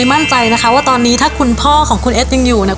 มั่นใจนะคะว่าตอนนี้ถ้าคุณพ่อของคุณเอสยังอยู่เนี่ย